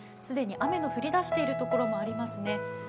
既に雨の降り出しているところもありますね。